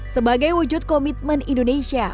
sebagai wujud komitmen indonesia